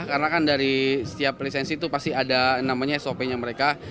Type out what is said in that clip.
karena kan dari setiap lisensi itu pasti ada namanya sop nya mereka